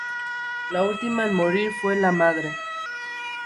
La última en morir fue la madre.